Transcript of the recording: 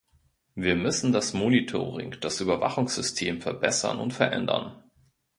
Wir müssen das Monitoring, das Überwachungssystem verbessern und verändern.